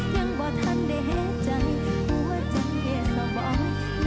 ยังบอกท่านได้แฮะใจกลัวจะเกลียดเสียบ่อย